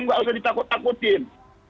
nggak usah ditakut takutin